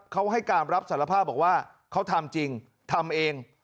เขาให้การรับสารภาพบอกว่าเขาทำจริงทำเอง